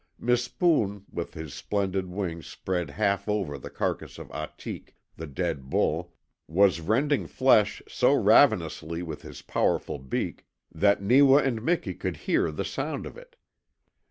Mispoon, with his splendid wings spread half over the carcass of Ahtik, the dead bull, was rending flesh so ravenously with his powerful beak that Neewa and Miki could hear the sound of it.